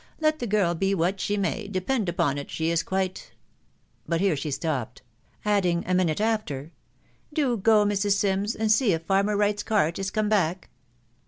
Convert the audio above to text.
u Let the girl be what she may, depend upon it she is quite ...." but here she stopped ; adding a minute after, " Do go, Mrs. Sims, and see if farmer Wright's cart is come back."